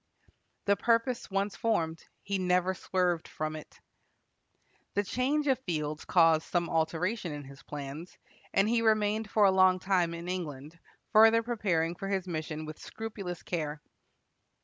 The purpose once formed, he never swerved from it. The change of fields caused some alteration in his plans, and he remained for a time in England, further preparing for his mission with scrupulous care.